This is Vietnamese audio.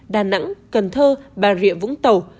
đà nẵng cần thơ bà rịa vũng tàu